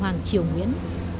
hoàng triều nguyễn